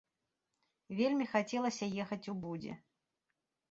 Вельмі хацелася ехаць у будзе.